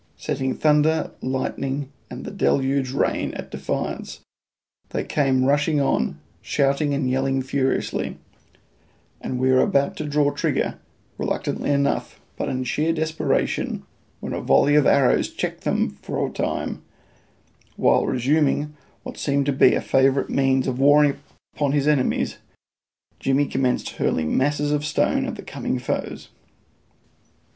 Setting thunder, lightning, and the deluging rain at defiance, they came rushing on, shouting and yelling furiously, and we were about to draw trigger, reluctantly enough, but in sheer desperation, when a volley of arrows checked them for a time, while, resuming what seemed to be a favourite means of warring upon his enemies, Jimmy commenced hurling masses of stone at the coming foes.